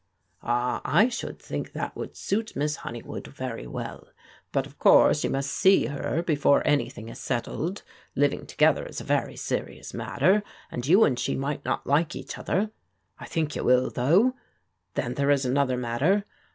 " Ah, I should think that would suit Miss Honeywood very well. But, of course, you must see her before any thing is settled. Living together is a very serious mat ter, and you and she might not like each other. I think you will, though. Then there is another matter.